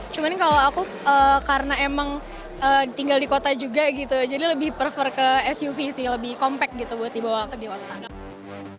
cuman kalau aku karena emang tinggal di kota juga gitu jadi lebih perfer ke suv sih lebih compact gitu buat dibawa ke dewata